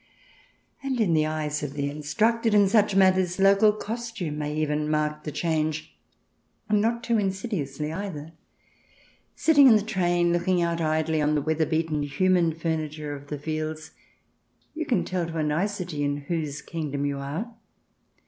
And in the eyes of the instructed in such matters, local costume may even mark the change, and not too insidiously either. Sitting in the train, looking out idly on the weather beaten human furniture of the fields, you can tell to a nicety in whose kingdom you are.